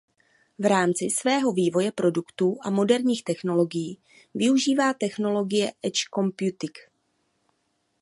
V rámci svého vývoje produktů a moderních technologií využívá technologie Edge Computing.